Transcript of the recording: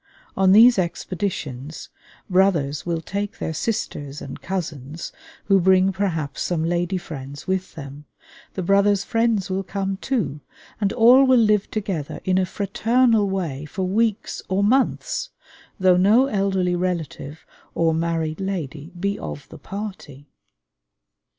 On these expeditions brothers will take their sisters and cousins, who bring perhaps some lady friends with them; the brothers' friends will come too; and all will live together in a fraternal way for weeks or months, though no elderly relative or married lady be of the party.